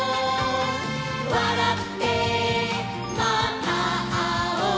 「わらってまたあおう」